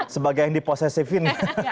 sebagai yang diposesifin